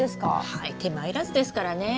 はい手間いらずですからね。